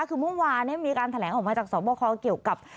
คือเมื่อวานมีการแถลงออกมาจากสอบคอเกี่ยวกับ